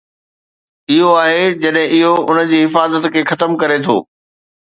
اهو آهي جڏهن اهو ان جي حفاظت کي ختم ڪري ٿو.